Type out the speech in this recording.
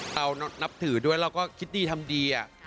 เรานับถือด้วยเราก็คิดดีทำดี